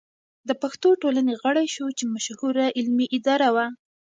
د پښتو ټولنې غړی شو چې مشهوره علمي اداره وه.